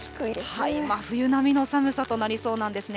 真冬並みの寒さとなりそうなんですね。